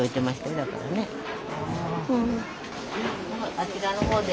あちらのほうで。